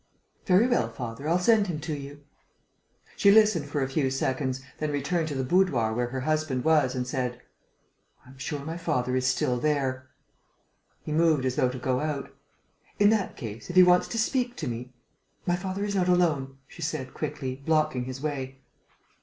"Very well, father, I'll send him to you." She listened for a few seconds, then returned to the boudoir where her husband was and said: "I am sure my father is still there." He moved as though to go out: "In that case, if he wants to speak to me...." "My father is not alone," she said, quickly, blocking his way.